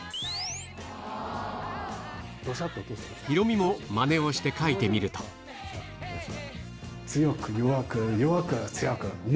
ヒロミもマネをして描いてみると強く弱く弱く強く。